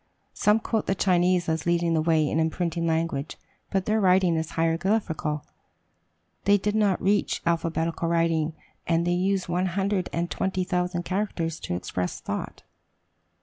Some quote the Chinese as leading the way in imprinting language. But their writing was hieroglyphical, they did not reach alphabetical writing, and they use one hundred and twenty thousand characters to express thought.